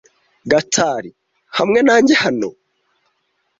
Gatari ! hamwe nanjye hano?